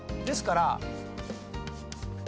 ですから。